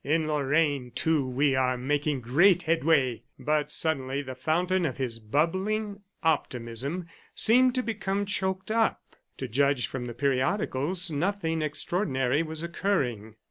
"In Lorraine, too, we are making great headway!" ... But suddenly the fountain of his bubbling optimism seemed to become choked up. To judge from the periodicals, nothing extraordinary was occurring.